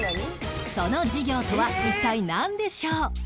その事業とは一体なんでしょう？